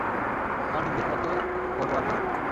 আমার নির্দেশমতো করো আর শ্বাস নাও।